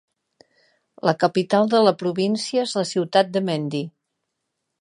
La capital de la província és la ciutat de Mendi.